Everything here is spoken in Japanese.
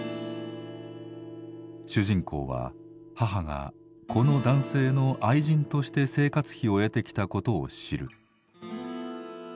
主人公は母がこの男性の「愛人」として生活費を得てきたことを知る。